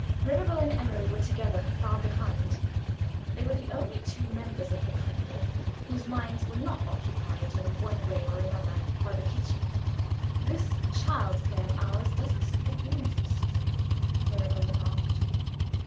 Mirabel and Emily were together, far behind; they were the only two members of the company whose minds were not occupied in one way or another by the kitchen. "This child's play of ours doesn't seem to interest you," Mirabel remarked.